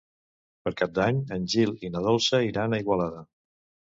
Per Cap d'Any en Gil i na Dolça iran a Igualada.